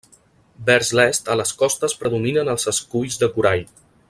Vers l'est a les costes predominen els esculls de corall.